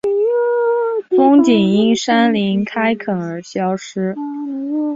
风景因山林开垦而消失